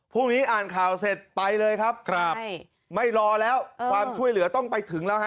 อ่านข่าวเสร็จไปเลยครับไม่รอแล้วความช่วยเหลือต้องไปถึงแล้วฮะ